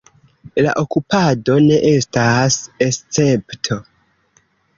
La okupado ne estas escepto.